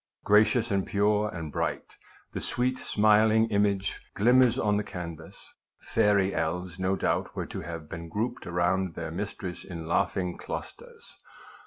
Gracious, and pure, and bright, the sweet smiling image glimmers on the can vas. Fairy elves no doubt were to have been grouped around their mistress in laughing clusters.